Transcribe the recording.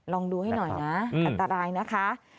ลองดูให้หน่อยนะอันตรายนะคะ